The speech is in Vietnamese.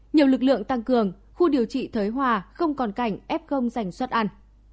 nhiều lực lượng tăng cường khu điều trị thới hòa không còn cảnh f giành xuất ăn